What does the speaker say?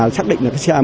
xác định là xe